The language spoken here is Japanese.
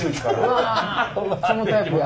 うわそのタイプや。